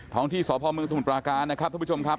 ท้องที่สปมสมภาการนะครับท่านผู้ชมครับ